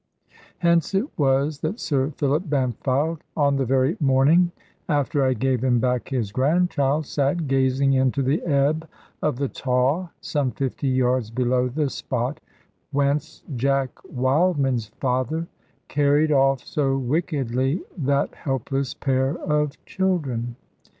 Hence it was that Sir Philip Bampfylde, on the very morning after I gave him back his grandchild, sate gazing into the ebb of the Tawe, some fifty yards below the spot, whence Jack Wildman's father carried off so wickedly that helpless pair of children.